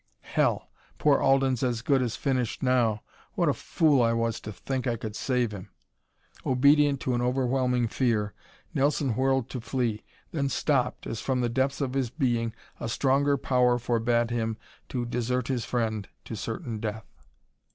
"Hell! Poor Alden's as good as finished now! What a fool I was to think I could save him!" Obedient to an overwhelming fear, Nelson whirled to flee, then stopped, as, from the depths of his being, a stronger power forbade him to desert his friend to certain death.